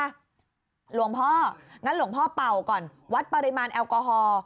หลวงพ่องั้นหลวงพ่อเป่าก่อนวัดปริมาณแอลกอฮอล์